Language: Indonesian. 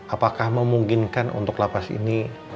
apakah memungkinkan untuk lapas ini